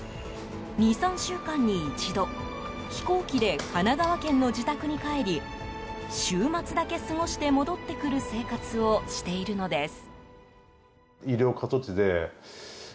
２３週間に一度飛行機で神奈川県の自宅に帰り週末だけ過ごして戻って来る生活をしているのです。